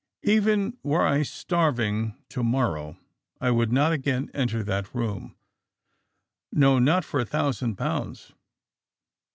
"Even were I starving to morrow, I would not again enter that room no, not for a thousand pounds!